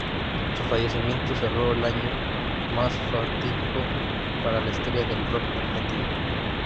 Su fallecimiento cerró el año más fatídico para la historia del rock argentino.